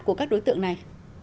của các đối tượng này